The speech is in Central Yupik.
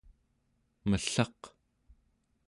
mellaq